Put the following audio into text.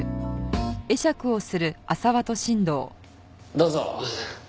どうぞ。